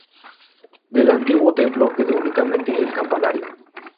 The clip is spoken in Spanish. Del antiguo templo quedó únicamente el campanario.